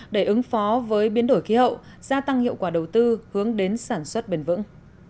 để ứng phó với biến đổi khí hậu gia tăng hiệu quả đầu tư hướng đến sản xuất bền vững